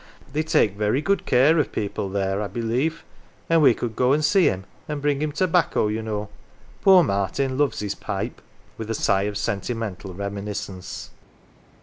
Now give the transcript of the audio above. " They take very good care of people there, I believe, and we could go and see him and bring him tobacco, you know. Poor Martin loves his pipe 11 with a sigh of sentimental reminiscence.